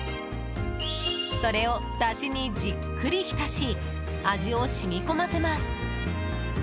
それを、だしにじっくり浸し味を染み込ませます。